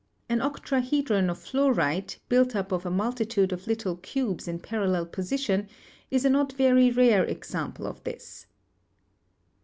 An octahedron of fluorite, built up of a multitude of lit tle cubes in parallel position, is a not very rare example of this.